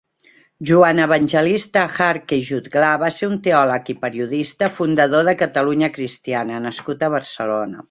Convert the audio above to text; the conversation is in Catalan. Joan Evangelista Jarque i Jutglar va ser un teòleg i periodista fundador de "Catalunya Cristiana" nascut a Barcelona.